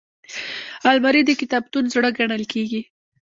الماري د کتابتون زړه ګڼل کېږي